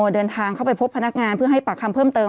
เดินทางเข้าไปพบพนักงานเพื่อให้ปากคำเพิ่มเติม